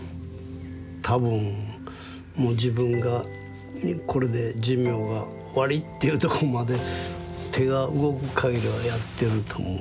多分もう自分がこれで寿命が終わりっていうとこまで手が動くかぎりはやってると思いますね。